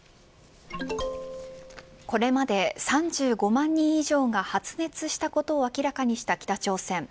これまで３５万人以上が発熱したことを明らかにした北朝鮮。